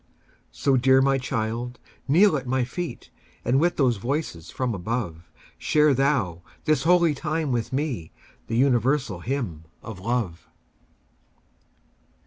So, dear my child, kneel at my feet, And with those voices from above Share thou this holy time with me, The universal hymn of love.